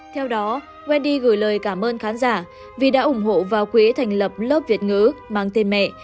theo đó wedy gửi lời cảm ơn khán giả vì đã ủng hộ vào quỹ thành lập lớp việt ngữ mang tên mẹ